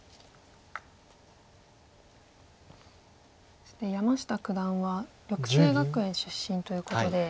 そして山下九段は緑星学園出身ということで。